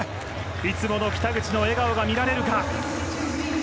いつもの北口の笑顔が見られるか。